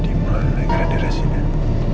dimana grandi residen